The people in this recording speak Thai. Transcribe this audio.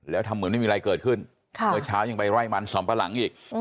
แล้วทำเหมือนไม่มีอะไรเกิดขึ้นเมื่อเช้ายังไปไล่มันสำปะหลังอีก